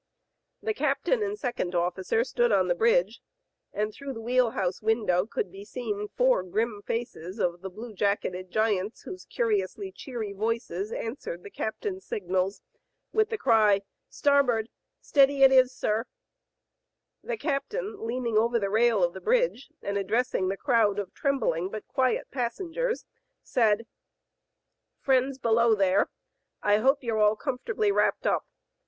The captain and second offi cer stood on the bridge, and through the wheel house window could be seen foilr grim faces of the blue jacketed giants whose curiously cheery voices answered the captain's signals with the cry "Starboard," "Steady it is, sir, The captain, leaning over the rail of the bridge and addressing the crowd of trembling but quiet passengers, said : "Friends below there, I hope you*re all comfort ably wrapped up.